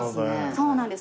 そうなんです。